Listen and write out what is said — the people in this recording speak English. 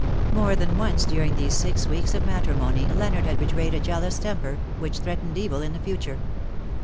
More than once during these six weeks of matri mony Leonard had betrayed a jealous temper, which threatened evil in the future.